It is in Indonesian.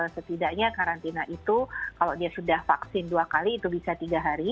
setidaknya karantina itu kalau dia sudah vaksin dua kali itu bisa tiga hari